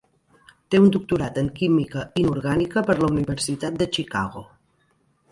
Té un doctorat en química inorgànica per la Universitat de Chicago.